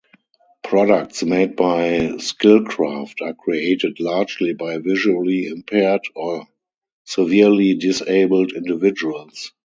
Products made by Skilcraft are created largely by visually impaired or severely disabled individuals.